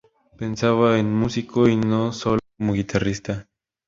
Pensaba en músico y no solo como guitarrista.